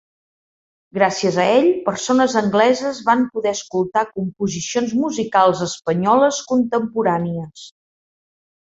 Gràcies a ell, persones angleses van poder escoltar composicions musicals espanyoles contemporànies.